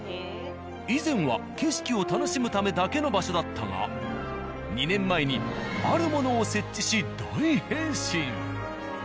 以前は景色を楽しむためだけの場所だったが２年前にあるものを設置し大変身。